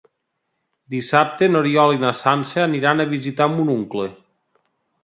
Dissabte n'Oriol i na Sança aniran a visitar mon oncle.